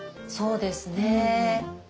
そうですね。